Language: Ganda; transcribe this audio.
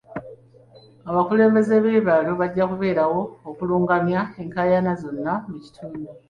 Abakulembeze b'ebyalo bajja kubeerawo okulungamya enkaayana zonna mu kitundu.